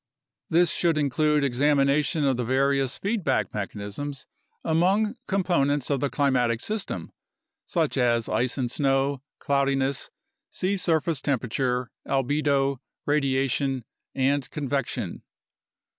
This should include examination of the various feedback mechanisms among components of the climatic system, such as ice and snow, cloudiness, sea surface temperature, albedo, radiation, and convection.